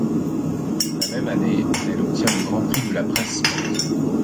La même année, elle obtient le Grand Prix de la Presse Sportive.